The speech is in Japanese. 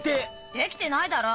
できてないだろ。